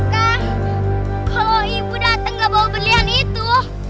kalau ibu dateng gak bawa berlian itu